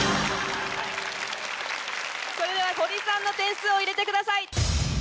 それではホリさんの点数を入れてください。